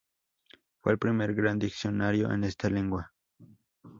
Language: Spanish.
Fue el primer gran diccionario en esta lengua.